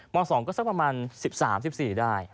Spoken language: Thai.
๒ก็สักประมาณ๑๓๑๔ได้